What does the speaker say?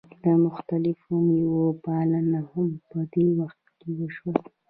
د مختلفو میوو پالنه هم په دې وخت کې وشوه.